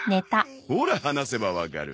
ほら話せばわかる。